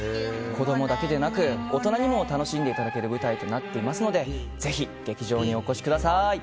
子供だけでなく大人にも楽しんでいただける舞台になっていますのでぜひ劇場にお越しください。